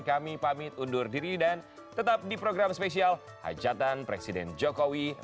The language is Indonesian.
kami pamit undur diri dan tetap di program spesial hadirkan presiden joko widodo